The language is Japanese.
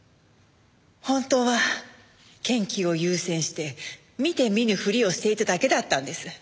本当は研究を優先して見て見ぬふりをしていただけだったんです。